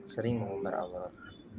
sering mengumar allah